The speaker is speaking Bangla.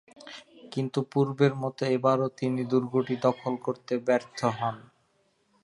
কিন্তু পূর্বের মতো এবারও তিনি দুর্গটি দখল করতে ব্যর্থ হন।